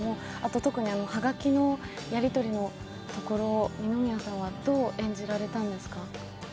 特にはがきのやり取りのところ、二宮さんはどう演じられたんですか。